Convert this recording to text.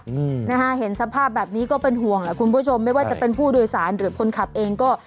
อืมนะฮะเห็นสภาพแบบนี้ก็เป็นห่วงแหละคุณผู้ชมไม่ว่าจะเป็นผู้โดยสารหรือคนขับเองก็